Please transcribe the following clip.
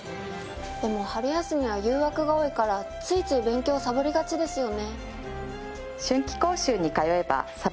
でも春休みは誘惑が多いからついつい勉強をサボりがちですよね。